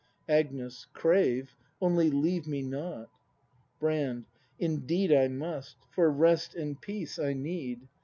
Agnes. Crave; only leave me not. Brand. Indeed I must; for rest and peace I need.